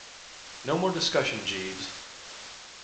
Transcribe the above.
So no more discussion, Jeeves.